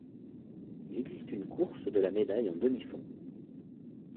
Il existe une course de la Médaille en demi-fond.